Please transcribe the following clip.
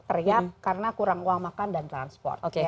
teriak karena kurang uang makan dan transport